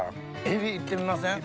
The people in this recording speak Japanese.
海老行ってみません？